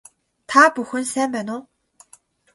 Та бүхэн сайн байна уу